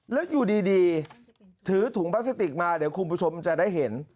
แล้วอยู่ดีถือถุงพลาสติกมาเดี๋ยวคุณผู้ชมจะได้เห็น